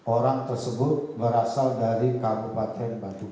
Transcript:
orang tersebut berasal dari kabupaten bandung